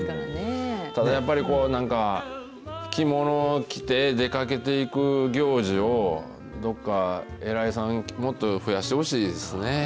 ただやっぱり、着物を着て出かけていく行事を、どっか偉いさん、もっと増やしてほしいですね。